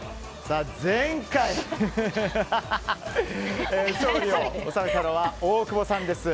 前回勝利を収めたのは大久保さんです。